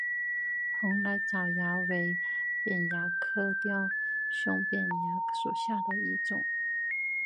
蓬莱虱蚜为扁蚜科雕胸扁蚜属下的一个种。